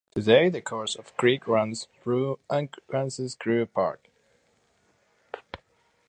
Today, the course of the creek runs through Arkansaw Creek Park.